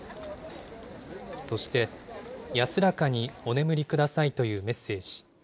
そして、安らかにお眠りくださいというメッセージ。